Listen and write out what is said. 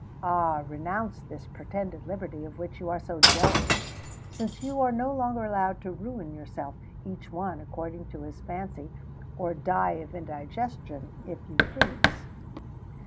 Ah! renounce this pretended liberty, of which you are so jealous, since you are no longer allowed to ruin yourselves, each one according to his fancy, or die of indigestion if you please."